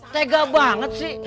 tega banget sih